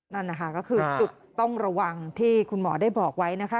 นั่นนะคะก็คือจุดต้องระวังที่คุณหมอได้บอกไว้นะคะ